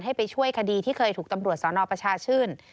ไปช่วยคดีที่เคยถูกตำรวจสนประชาชื่น